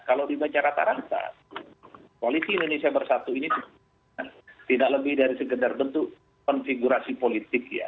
kalau dibaca rata rata koalisi indonesia bersatu ini tidak lebih dari sekedar bentuk konfigurasi politik ya